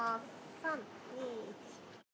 ３２１。